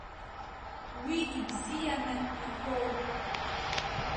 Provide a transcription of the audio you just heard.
Уи бзианы иҳәоуп.